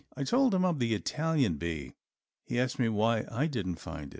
I then told him of the Italian bee. He asked me why I didn't find it.